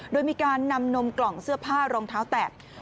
โดยมีการนำนมกล่องเสื้อผ้ารองเท้าแตะ